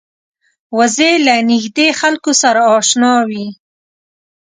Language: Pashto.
وزې له نږدې خلکو سره اشنا وي